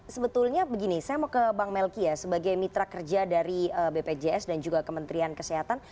sebenarnya sebagai mitra kerja dari bpjs dan juga kementerian kesehatan